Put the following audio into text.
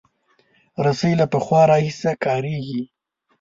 رسۍ له پخوا راهیسې کارېږي.